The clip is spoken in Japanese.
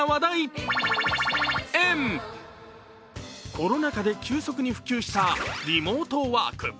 コロナ禍で急速に普及したリモートワーク。